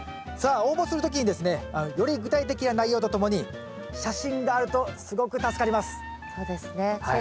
さあ応募する時にですねより具体的な内容とともに写真があるとすごく助かります。